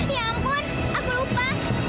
ya ampun aku lupa